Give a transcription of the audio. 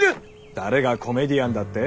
誰がコメディアンだってェ？